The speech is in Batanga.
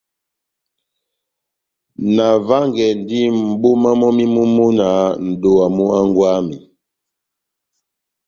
Navángɛndi mʼboma mɔ́mi mú múna nʼdowa mú hángwɛ wami.